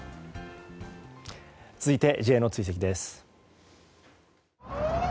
続いて、Ｊの追跡です。